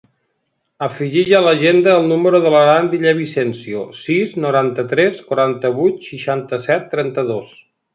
Afegeix a l'agenda el número de l'Aran Villavicencio: sis, noranta-tres, quaranta-vuit, seixanta-set, trenta-dos.